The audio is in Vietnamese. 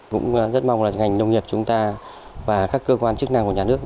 cũng rất mong là ngành nông nghiệp chúng ta và các cơ quan chức năng của nhà nước